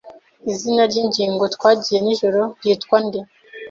Izina ryingingo twagiye nijoro ryitwa nde?